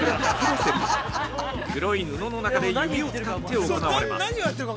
競り黒い布の中で指を使って行われます。